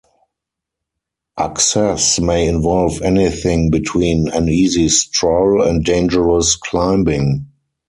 Access may involve anything between an easy stroll and dangerous climbing.